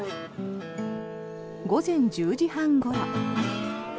午前１０時半ごろ。